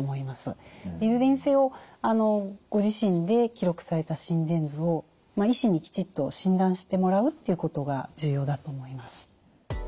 いずれにせよご自身で記録された心電図を医師にきちっと診断してもらうっていうことが重要だと思います。